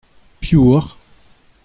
Piv ocʼh ?